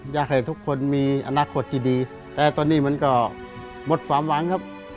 อยากให้ทุกคนมีอนาคตที่ดีแต่ตอนนี้มันก็หมดความหวังครับ